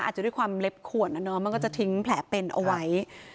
อาจจะด้วยความเล็บขวดนะเนาะมันก็จะทิ้งแผลเป็นเอาไว้